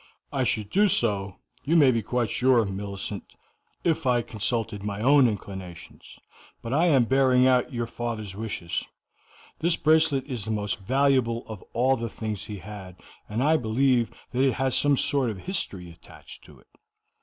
"I should do so, you may be quite sure, Millicent, if I consulted my own inclinations, but I am bearing out your father's wishes. This bracelet is the most valuable of all the things he had, and I believe that it has some sort of history attached to it.